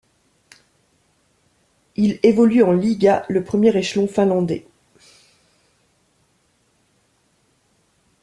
Il évolue en Liiga, le premier échelon finlandais.